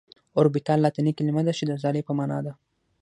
اوربيتال لاتيني کليمه ده چي د ځالي په معنا ده .